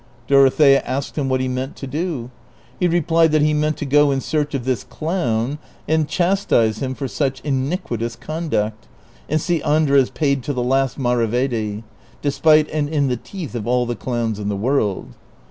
Dorothea asked him what he meant to do. He replied that he meant to go in search of this clown and chastise him for such iniquitous conduct, and see Andres paid to the last maravedi, despite and in the teeth of all the clowns in the Avorld.